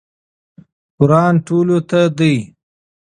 قرآن ټولو ته دی.